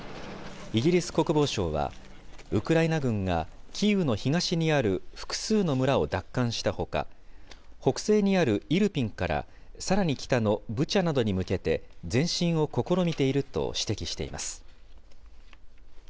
イギリス国防省は、ウクライナ軍がキーウの東にある複数の村を奪還したほか、北西にあるイルピンからさらに北のブチャなどに向けて、前進を試みていると指摘しています。